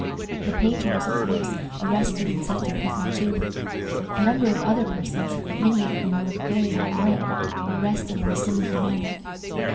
The page was, of course, arrested and sent to prison too. A number of other persons, many of whom were of very high rank, were arrested in a similar manner.